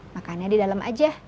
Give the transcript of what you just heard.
makannya di dalam aja